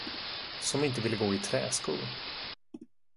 Som inte ville gå i träskor.